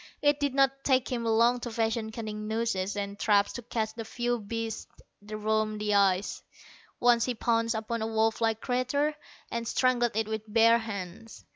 It did not take him long to fashion cunning nooses and traps to catch the few beasts that roamed the ice. Once he pounced upon a wolf like creature, and strangled it with bare hands.